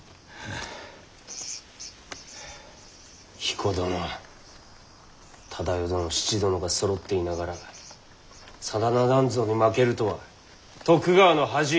彦殿忠世殿七殿がそろっていながら真田なんぞに負けるとは徳川の恥。